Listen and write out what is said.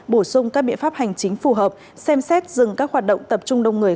bổ sung các biện pháp hành chính phù hợp xem xét dừng các hoạt động tập trung đông người